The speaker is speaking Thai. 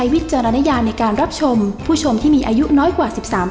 สวัสดีครับทุกคนครับ